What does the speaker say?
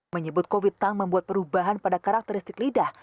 menyebut covid tak membuat perubahan pada karakteristik lidah